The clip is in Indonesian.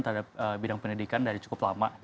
terhadap bidang pendidikan dari cukup lama